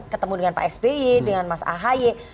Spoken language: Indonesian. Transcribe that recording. ketemu dengan pak sby dengan mas ahy